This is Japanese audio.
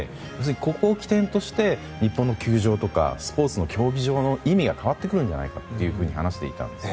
ここを起点として日本の球場とかスポーツの競技場の意味が変わってくるんじゃないかと話していたんです。